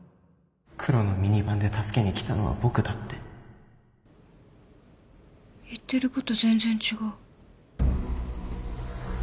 黒のミニバンで助けに来たのは僕だって言ってること全然違う。